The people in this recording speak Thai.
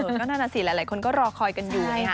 ก็นั่นน่ะสิหลายคนก็รอคอยกันอยู่นะคะ